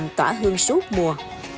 tràm tỏa hương suốt mùa